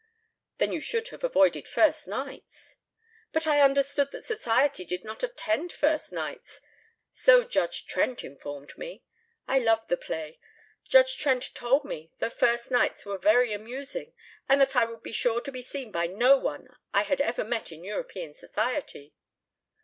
"Then you should have avoided first nights." "But I understood that Society did not attend first nights. So Judge Trent informed me. I love the play. Judge Trent told me that first nights were very amusing and that I would be sure to be seen by no one I had ever met in European Society."